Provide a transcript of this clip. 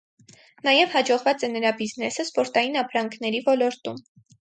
Նաև հաջողվազ է նրա բիզնեսը սպորտային ապրանքների ոլորտում։